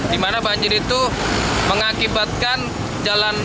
di mana banjir itu mengakibatkan jalan